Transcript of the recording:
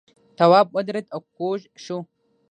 تواب ودرېد او کوږ شو.